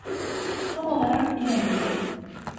Tam olarak bilemiyorum.